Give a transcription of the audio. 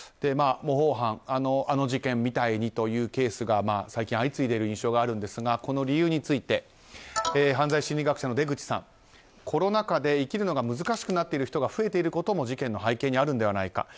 模倣犯あの事件みたいにというケースが最近相次いでいる印象があるんですがこの理由について犯罪心理学者の出口さんコロナ禍で生きるのが難しくなっている人が増えていることも事件の背景にあるのではないか。